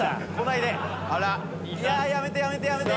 いややめてやめてやめて！